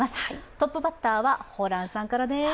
トップバッターはホランさんからです。